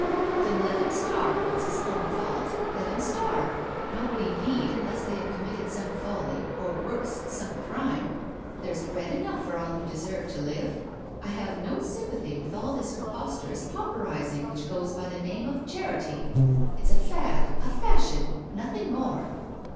"Then let him starve. It's his own fault. Let him starve ! Nobody need unless they have com mitted some folly, or, worse, some crime. There's bread enough for all who deserve to live. I have no sympathy with all this preposterous pauper ising which goes by the name of charity. It's a fad, a fashion — nothing more."